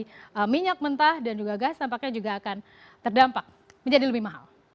jadi minyak mentah dan gas tampaknya juga akan terdampak menjadi lebih mahal